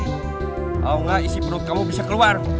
kalau enggak isi perut kamu bisa keluar